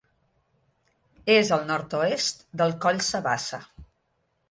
És al nord-oest del Coll Sabassa.